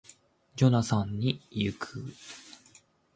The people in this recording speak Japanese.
ジョナサンに行く